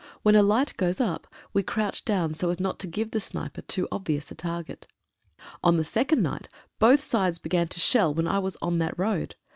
When a light goes up we crouch down so as not to give the sniper too obvious a target. On the second night both sides began to shell when I was on that road.